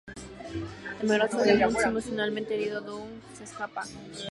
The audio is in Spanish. Temeroso de Muntz y emocionalmente herido, Dug se escapa.